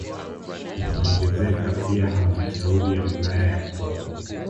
Inaongezeka pia halmashauri ya wilaya ya Mpwapwa